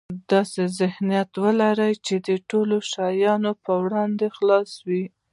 داسې ذهنيت ولره چې د ټولو شیانو په وړاندې خلاص وي.